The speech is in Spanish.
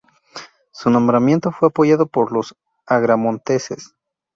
Su nombramiento fue apoyado por los agramonteses.